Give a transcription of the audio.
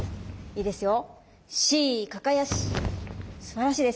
１いいですよ。